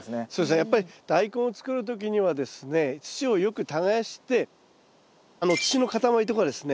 やっぱりダイコンを作る時にはですね土をよく耕して土の塊とかですね